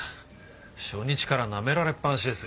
初日からなめられっぱなしですよ。